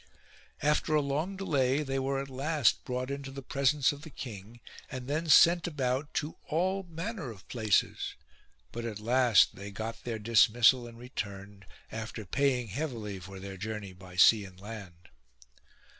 After a long delay they were at last brought into the presence of the king and then sent about to all manner of places. But at last they got their dismissal and returned, after paying heavily for their journey by sea and land.